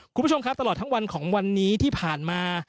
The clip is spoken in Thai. คุณผู้ชมครับตลอดทั้งวันของวันนี้ที่ผ่านมา